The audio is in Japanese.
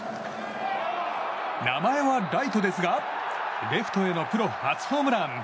名前は「らいと」ですがレフトへのプロ初ホームラン。